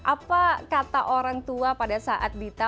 apa kata orang tua pada saat dita